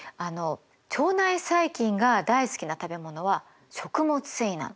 腸内細菌が大好きな食べ物は食物繊維なの。